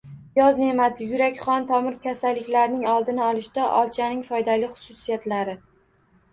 Yoz ne’mati: yurak-qon tomir kasalliklarining oldini olishda olchaning foydali xususiyatlari